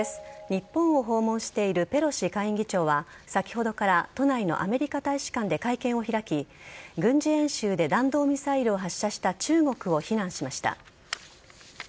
日本を訪問しているペロシ下院議長は先ほどから都内のアメリカ大使館で会見を開き軍事演習で弾道ミサイルを発射した中国を非難しました。